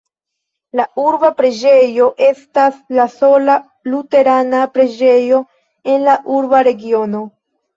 La urba preĝejo estas la sola luterana preĝejo en la urba regiono.